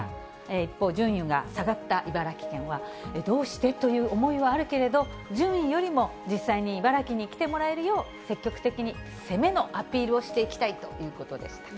一方、順位が下がった茨城県は、どうして？という思いはあるけれど、順位よりも実際に茨城に来てもらえるように、積極的に攻めのアピールをしていきたいということでした。